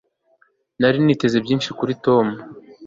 Nari niteze byinshi kuri Tom